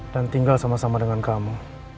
dan tinggal sama sama dengan kamu